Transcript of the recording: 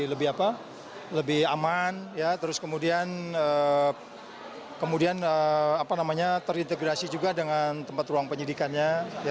lebih aman terus kemudian terintegrasi juga dengan tempat ruang penyidikannya